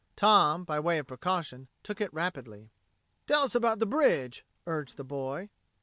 Tom, by way of precaution, took it in rapidly. "Tell us about the bridge," urged the boy.